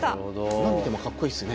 今見てもかっこいいですね。